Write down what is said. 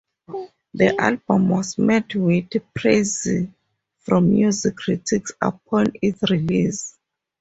The album was met with praise from music critics upon its release.